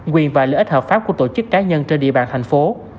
quyền và lợi ích hợp pháp của tổ chức cá nhân trên địa bàn thành phố